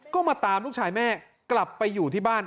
ก็มาตามลูกชายแม่กลับไปอยู่ที่บ้าน